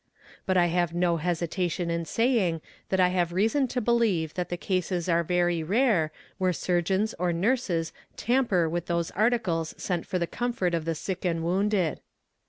But I have no hesitation in saying that I have reason to believe that the cases are very rare where surgeons or nurses tamper with those articles sent for the comfort of the sick and wounded.